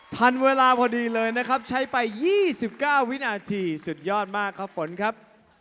ทันเวลาพอดีเลยนะครับใช้ไป๒๙วินาทีสุดยอดมากครับฝนครับ